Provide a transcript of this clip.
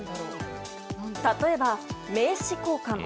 例えば、名刺交換。